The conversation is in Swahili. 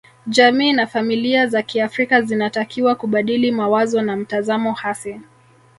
Jamii na familia za kiafrika zinatakiwa kubadili mawazo na mtazamo hasi